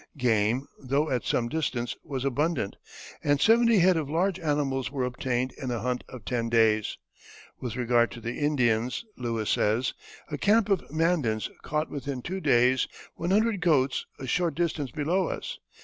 Game, though at some distance, was abundant, and seventy head of large animals were obtained in a hunt of ten days. With regard to the Indians Lewis says: "A camp of Mandans caught within two days one hundred goats a short distance below us.